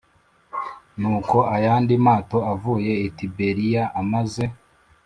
Nuko ayandi mato avuye i Tiberiya amaze